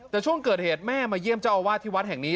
แต่ช่วงเกิดเหตุแม่มาเยี่ยมเจ้าอาวาสที่วัดแห่งนี้